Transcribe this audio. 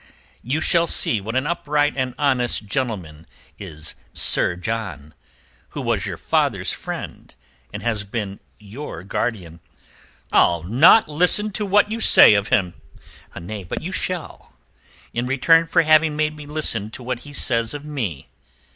You shall see what an upright and honest gentleman is Sir John, who was your father's friend and has been your guardian." "I'll not listen to what you say of him." "Nay, but you shall, in return for having made me listen to what he says of me.